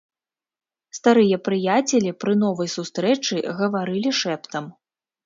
Старыя прыяцелі пры новай сустрэчы гаварылі шэптам.